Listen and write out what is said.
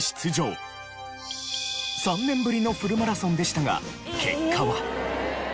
３年ぶりのフルマラソンでしたが結果は。